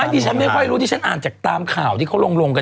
ดิฉันไม่ค่อยรู้ที่ฉันอ่านจากตามข่าวที่เขาลงกัน